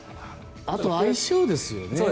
あとは相性ですよね。